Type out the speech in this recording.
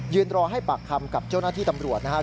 รอให้ปากคำกับเจ้าหน้าที่ตำรวจนะครับ